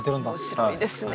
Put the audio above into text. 面白いですね。